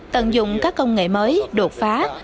tận dụng các công nghệ mới đột phá